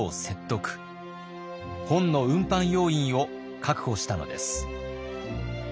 本の運搬要員を確保したのです。